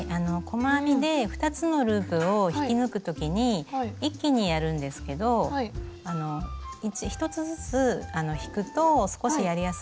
細編みで２つのループを引き抜く時に一気にやるんですけど１つずつ引くと少しやりやすくなるかもしれません。